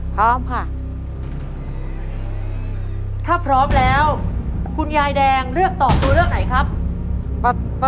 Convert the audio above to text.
ถ้าพร้อมแล้วคุณยายแดงเลือกต่อคือเลือกไหนครับ